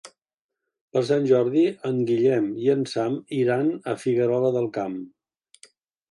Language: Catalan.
Per Sant Jordi en Guillem i en Sam iran a Figuerola del Camp.